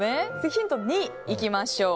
ヒント２、いきましょう。